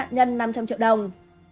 hãy đăng ký kênh để ủng hộ kênh của mình nhé